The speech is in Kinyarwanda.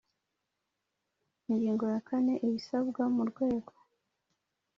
Ingingo ya kane Ibisabwa mu rwego